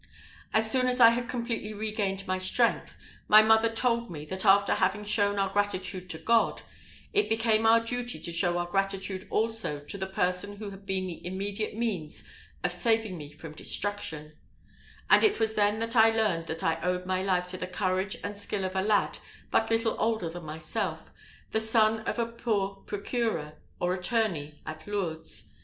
As soon as I had completely regained my strength, my mother told me, that after having shown our gratitude to God, it became our duty to show our gratitude also to the person who had been the immediate means of saving me from destruction; and it was then I learned that I owed my life to the courage and skill of a lad but little older than myself, the son of a poor procureur, or attorney, at Lourdes.